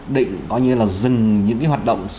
định gọi như là dừng những hoạt động